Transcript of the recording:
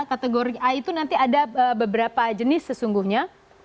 kategori a itu nanti ada beberapa jenis sesungguhnya